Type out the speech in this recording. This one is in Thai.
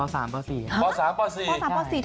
ป๓ป๔ทำอาหารไปแล้วเหรอ